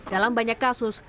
dalam banyak kasus